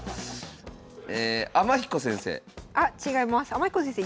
天彦先生。